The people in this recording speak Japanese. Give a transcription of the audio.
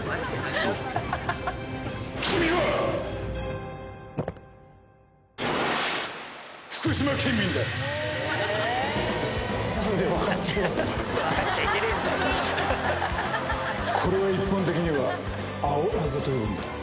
そうこれは一般的には「青あざ」と呼ぶんだ。